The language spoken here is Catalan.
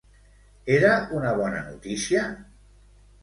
Era una bona notícia?